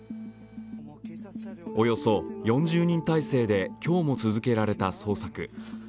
およそ４０人態勢で今日も続けられた捜索。